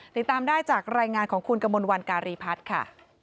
ติดตามได้จากรายงานของคุณกมลวันการีพัฒน์ค่ะ